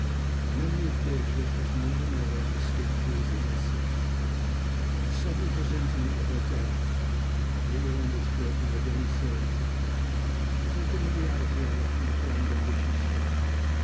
The memory of Beatrice was more than ever distinct to his inner sense, but the sudden presentiment of her death, real in its working as any certainty, had taken the reality of her from the ground on which he stood.